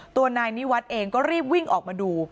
ตัวนายนิวัฒน์เองก็รีบวิ่งออกมาดู